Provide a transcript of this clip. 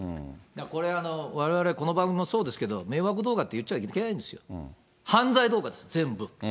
これ、われわれこの番組もそうですけど、迷惑動画って言っちゃいけないんですよ。